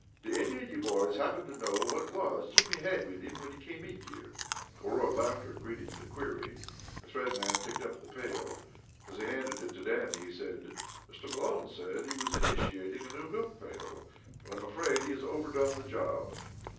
"Do any of ye boys happen to know what it was Jimmy had with him when he came in here?" A roar of laughter greeted the query. The Thread Man picked up the pail. As he handed it to Dannie, he said: "Mr. Malone said he was initiating a new milk pail, but I am afraid he has overdone the job."